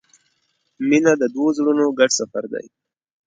• مینه د دوو زړونو ګډ سفر دی.